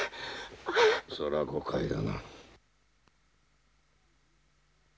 それは誤解だな。